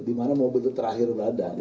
dimana mobil itu terakhir berada gitu ya